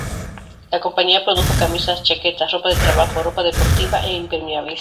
La compañía produjo camisas, chaquetas, ropa de trabajo, ropa deportiva e impermeables.